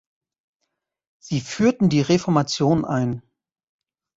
Sie führten die Reformation ein.